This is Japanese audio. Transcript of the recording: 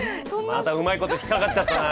またうまいこと引っかかっちゃったな。